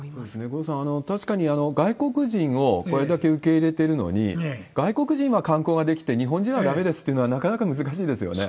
五郎さん、確かに外国人をこれだけ受け入れてるのに、外国人は観光ができて、日本人はだめですっていうのは、なかなか難しいですよね。